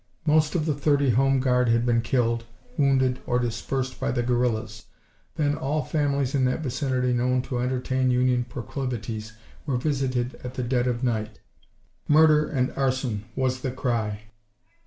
Most of the thirty "home guard" had been killed, wounded or dispersed by the guerrillas. Then all families in that vicinity known to entertain Union proclivities, were visited at the dead of night. "Murder and arson" was the cry.